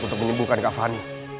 untuk menyembuhkan kak fani